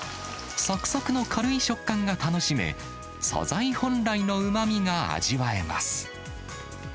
さくさくの軽い食感が楽しめ、素材本来のうまみが味わえます。